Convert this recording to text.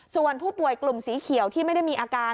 ส่วนผู้ป่วยกลุ่มสีเขียวที่ไม่ได้มีอาการ